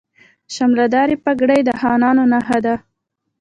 شملې دارې پګړۍ د خانانو نښه ده.